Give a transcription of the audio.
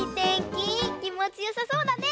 きもちよさそうだね。